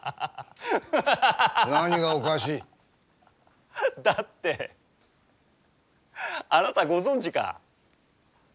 何がおかしい？だってあなたご存じか？